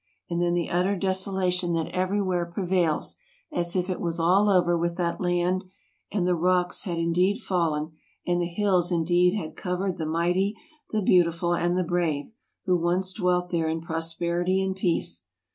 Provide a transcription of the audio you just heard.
And then the utter desolation that everywhere prevails — as if it was all over with that land and the " rocks had indeed fallen, and the hills indeed had covered " the mighty, the beautiful, and the brave, who once dwelt there in prosperity and peace.